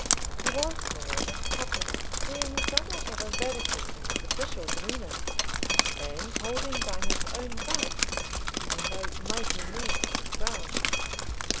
He was, moreover, popular being somewhat of a radical in his official demeanour, and holding by his own rights, even though mighty men should frown.